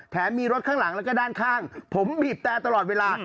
มีรถข้างหลังแล้วก็ด้านข้างผมบีบแต่ตลอดเวลา